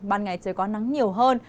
ban ngày trời có nắng nhiều hơn